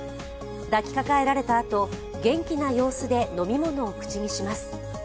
抱きかかえられたあと、元気な様子で飲み物を口にします。